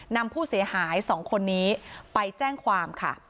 นำผู้เสียหาย๒คนนี้ไปแจ้งความค่ะ